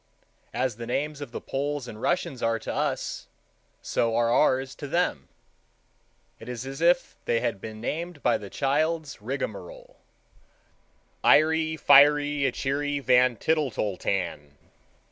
As the names of the Poles and Russians are to us, so are ours to them. It is as if they had been named by the child's rigmarole—Iery wiery ichery van, tittle tol tan.